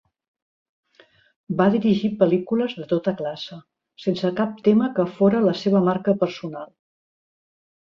Va dirigir pel·lícules de tota classe, sense cap tema que fóra la seva marca personal.